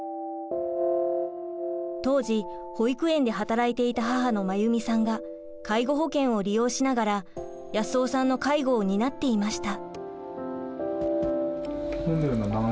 当時保育園で働いていた母の真由美さんが介護保険を利用しながら保夫さんの介護を担っていました。